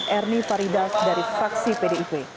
ernie farida dari fraksi pdip